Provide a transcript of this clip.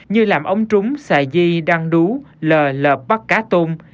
như làm ống trúng xài di đăng đú lờ lợp bắt cá tôm